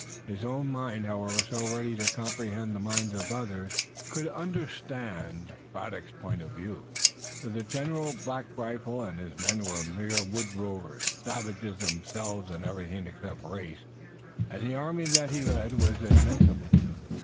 His own mind however so ready to comprehend the mind of others, could understand Braddock's point of view. To the general Black Rifle and his men were mere woods rovers, savages themselves in everything except race, and the army that he led was invincible.